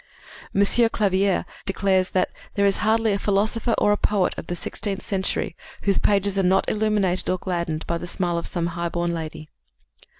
M. Clavière declares that "There is hardly a philosopher or a poet of the sixteenth century whose pages are not illuminated or gladdened by the smile of some high born lady."